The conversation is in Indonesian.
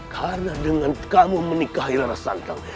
karena dengan kamu menikah hilal rasantang